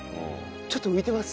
ちょっと浮いてます。